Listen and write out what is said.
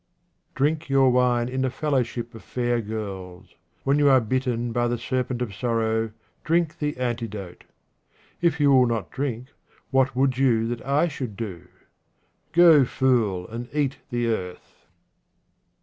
Drink your wine in the fellowship of fair girls. When you are bitten by the serpent of sorrow, drink the antidote. If you will not drink, what would you that I should do ? Go, fool, and eat the earth.